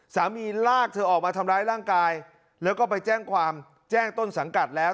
สามีลากเธอออกมาทำร้ายร่างกายแล้วก็ไปแจ้งต้นสังกัดแล้ว